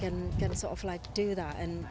dan memahami bahwa ini adalah hal